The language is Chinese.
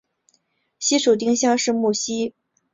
西蜀丁香是木犀科丁香属的植物。